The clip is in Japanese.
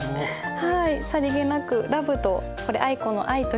はい。